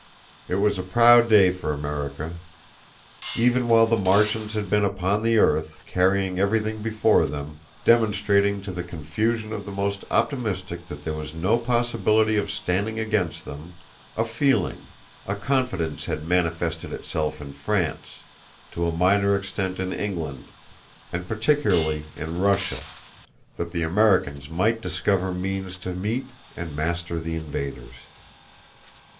It was a proud day for America. Even while the Martians had been upon the earth, carrying everything before them, demonstrating to the confusion of the most optimistic that there was no possibility of standing against them, a feeling a confidence had manifested itself in France, to a minor extent in England, and particularly in Russia, that the Americans might discover means to meet and master the invaders.